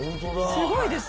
すごいです！